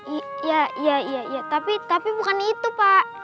iya iya iya tapi bukan itu pak